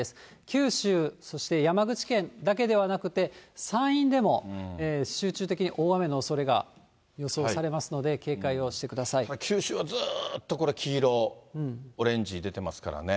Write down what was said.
九州、そして山口県だけではなくて、山陰でも集中的に大雨のおそれが予想されますので、警戒をしてく九州はずーっとこれ、黄色、オレンジ出てますからね。